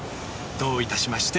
どういたしまして。